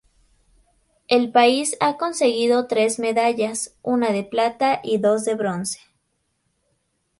El país ha conseguido tres medallas, una de plata y dos de bronce.